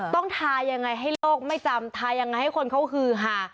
ต้องทายังไงให้โลกไม่จำทายังไงให้คนเขาฮือหา